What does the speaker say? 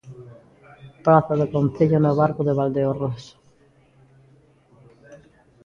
Praza do Concello no Barco de Valdeorras.